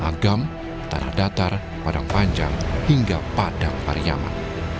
agam tanah datar padang panjang hingga padang pariyaman